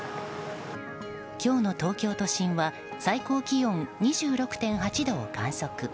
今日の東京都心は最高気温２６．８度を観測。